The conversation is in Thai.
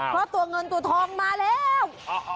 เพราะตัวเงินตัวทองมาแล้ว